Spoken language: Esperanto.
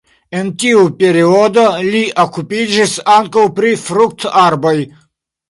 En tiu periodo li okupiĝis ankaŭ pri fruktarboj.